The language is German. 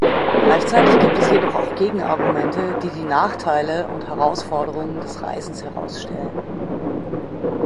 Gleichzeitig gibt es jedoch auch Gegenargumente, die die Nachteile und Herausforderungen des Reisens herausstellen.